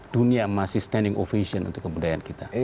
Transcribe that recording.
dunia masih standing ovation untuk kebudayaan kita